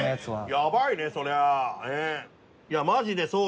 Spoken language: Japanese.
やばいねそれは。